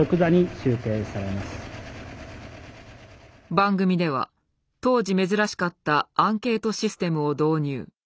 番組では当時珍しかったアンケートシステムを導入。